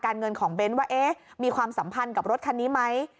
เงินของเบ้นว่ามีความสัมพันธ์กับรถคันนี้ไหม